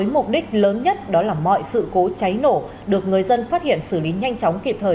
mục đích lớn nhất đó là mọi sự cố cháy nổ được người dân phát hiện xử lý nhanh chóng kịp thời